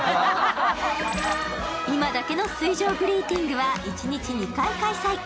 今だけの水上グリーティングは、一日２回開催。